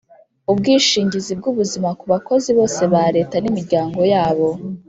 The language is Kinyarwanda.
ubwishingizi bw ubuzima ku bakozi bose ba Leta n imiryango yabo